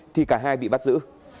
thì cả hai bị bắt giữ